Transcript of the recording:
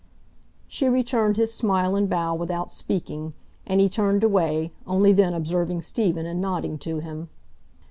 She returned his smile and bow without speaking, and he turned away, only then observing Stephen and nodding to him.